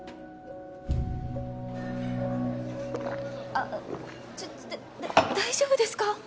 あっちょだ大丈夫ですか？